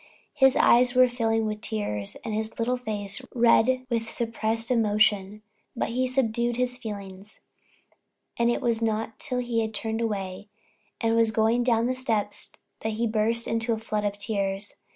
His eyes were filling with tears, and his little face red with suppressed emotion. But he subdued his feelings, and it was not till he had turned away, and was going down the steps that he burst into a flood of tears.